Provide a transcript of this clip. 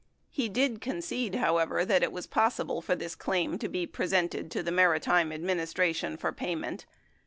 He did concede, however, that it was possible for this claim to be presented to the Maritime Administration for payment.